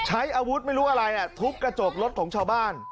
ใช้อาวุธไม่รู้อะไรทุบกระจกรถของชาวบ้าน